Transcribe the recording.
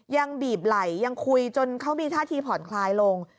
ยังบีบไหลยังคุยจนเขามีท่าทีผ่อนคลายลง